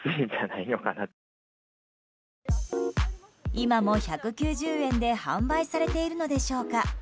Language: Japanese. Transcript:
今も１９０円で販売されているのでしょうか。